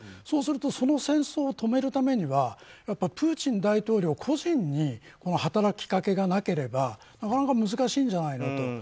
そうするとその戦争を止めるためにはプーチン大統領個人に働きかけがなければなかなか難しいんじゃないのと。